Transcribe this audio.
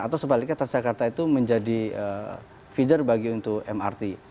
atau sebaliknya transjakarta itu menjadi feeder bagi untuk mrt